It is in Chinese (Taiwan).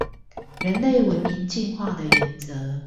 人類文明進化的原則